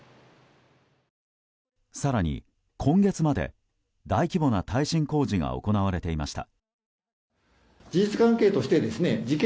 更に今月まで大規模な耐震工事が行われていました。